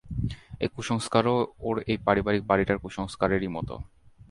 এই কুসংস্কারও ওর এই পারিবারিক বাড়িটার কুসংস্কারেরই মতো।